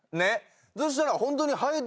そしたらホントに。